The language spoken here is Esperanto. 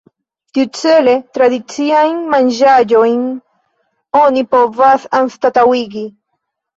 Tiucele, tradiciajn manĝaĵojn oni povas anstataŭigi.